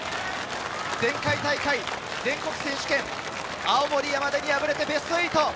前回大会全国選手権、青森山田に敗れてベスト８。